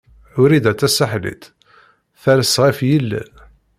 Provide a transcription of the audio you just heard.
Wrida Tasaḥlit ters-d ɣef yilel.